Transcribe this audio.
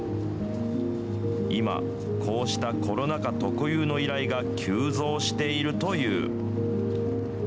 今、こうしたコロナ禍特有の依頼が急増しているという。